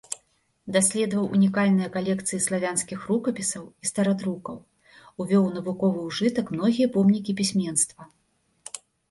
Даследаваў унікальныя калекцыі славянскіх рукапісаў і старадрукаў, увёў у навуковы ўжытак многія помнікі пісьменства.